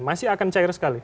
masih akan cair sekali